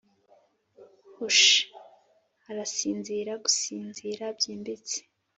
hush!… arasinzira… gusinzira… byimbitse